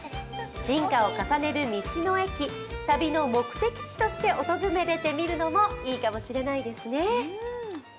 進化を重ねる道の駅、旅の目的地として訪れてみるのもいいかもしれないですね。